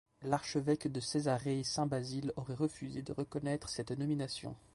L’archevêque de Césarée saint Basile aurait refusé de reconnaître cette nomination.